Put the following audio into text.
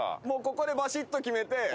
もうここでばしっと決めて。